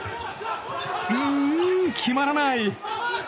うーん、決まらない！